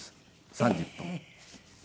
３０分。